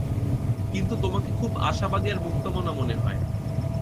কিন্তু তোমাকে খুব আশাবাদী আর মুক্তমনা মনে হয়।